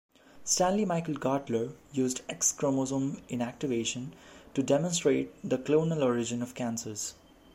Stanley Michael Gartler used X chromosome inactivation to demonstrate the clonal origin of cancers.